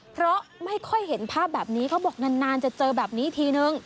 เพราะไม่ค่อยเห็นภาพแบบนี้เขาบอกนานจะเจอแบบนี้ทีนึง